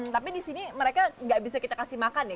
tapi di sini mereka nggak bisa kita kasih makan ya